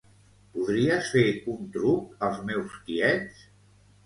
Podries fer un truc als meus tiets?